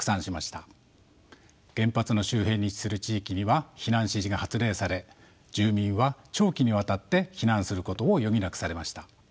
原発の周辺に位置する地域には避難指示が発令され住民は長期にわたって避難することを余儀なくされました。